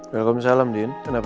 waalaikumsalam din kenapa